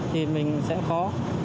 thì mình sẽ khó